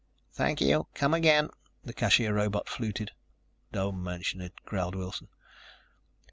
"Thank you, come again," the cashier robot fluted. "Don't mention it," growled Wilson.